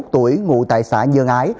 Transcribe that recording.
hai mươi một tuổi ngụ tại xã nhơn ái